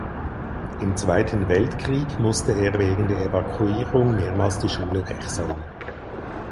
Im Zweiten Weltkrieg musste er wegen der Evakuierung mehrmals die Schule wechseln.